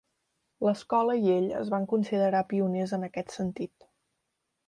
L'escola i ell es van considerar pioners en aquest sentit.